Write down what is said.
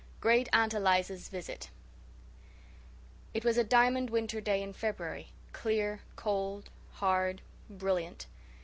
GREAT AUNT ELIZA'S VISIT It was a diamond winter day in February clear, cold, hard, brilliant.